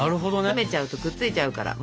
冷めちゃうとくっついちゃうから。